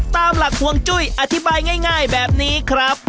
ตามหลักห่วงจุ้ยอธิบายง่ายแบบนี้ครับ